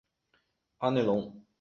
阿内龙。